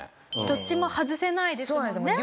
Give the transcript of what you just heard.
どっちも外せないですもんね。